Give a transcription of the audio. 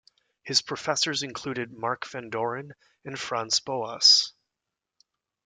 His professors included Mark Van Doren and Franz Boas.